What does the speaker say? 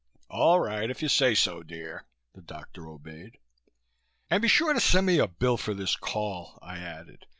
"All right, if you say so, dear," the doctor obeyed. "And be sure to send me a bill for this call," I added.